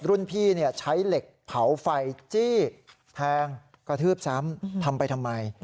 รุ่นพี่ใช้เหล็กเผาไฟจี้แทงกระทืบซ้ำทำไปทำไม